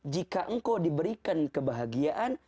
jika engkau diberikan kebahagiaan